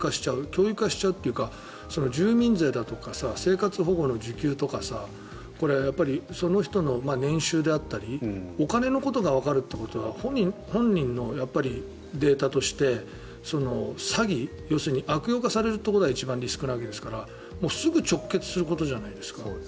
共有化しちゃうというか住民税だとか生活保護の受給だとかやっぱりその人の年収であったりお金のことがわかるということは本人のデータとして、詐欺要するに悪用されるということが一番リスクのわけですからすぐ直結することじゃないですか。